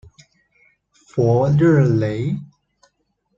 弗热雷。